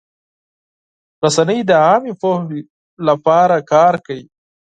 رسنۍ د عامه پوهاوي لپاره کار کوي.